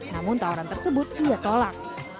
namun tawaran tersebut ia tolak